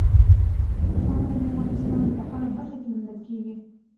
خاوره د افغانستان په هره برخه کې موندل کېږي.